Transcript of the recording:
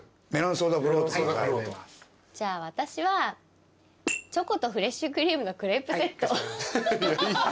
じゃあ私はチョコとフレッシュクリームのクレープセット。